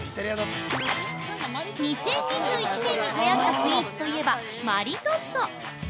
２０２１年にはやったスイーツといえば、マリトッツォ。